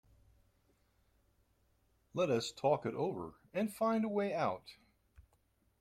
Let us talk it over and find a way out.